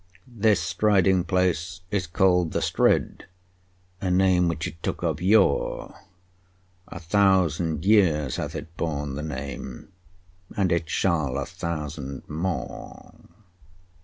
[Footnote 1: "This striding place is called the 'Strid,' A name which it took of yore; A thousand years hath it borne the name, And it shall a thousand more."